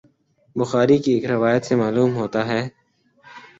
بخاری کی ایک روایت سے معلوم ہوتا ہے